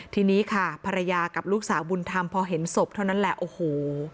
ทีนี้ค่ะภรรยากับลูกสาวบุญธรรมพอเห็นศพเท่านั้นแหละโอ้โห